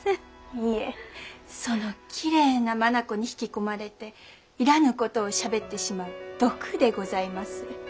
いえそのきれいな眼に引き込まれていらぬことをしゃべってしまう毒でございます。